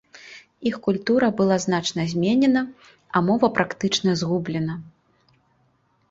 Іх культура была значна зменена, а мова практычна згублена.